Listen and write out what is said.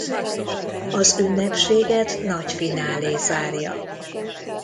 Az ünnepséget nagy finálé zárja.